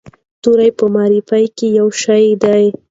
توري په مورفي کې یو شی دي.